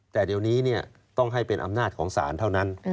แต่เดี๋ยวนี้ต้องให้เป็นอำนาจของศาลเท่านั้น